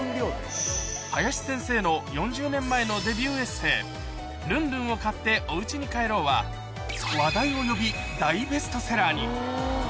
林先生の４０年前のデビューエッセー、ルンルンを買っておうちに帰ろうは、話題を呼び大ベストセラーに。